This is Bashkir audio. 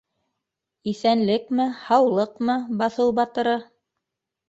Иҫәнлекме-һаулыҡмы, баҫыу батыры?